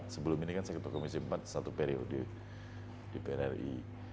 sebelum ini kan saya ketua komisi empat satu periode di prri